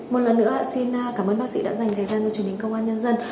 một lần nữa xin cảm ơn bác sĩ đã dành thời gian cho truyền hình công an nhân dân